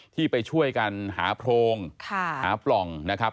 ที่ไปช่วยกันหาโพรงหาปล่องนะครับ